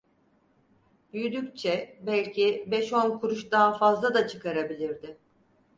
Büyüdükçe belki beş on kuruş daha fazla da çıkarabilirdi.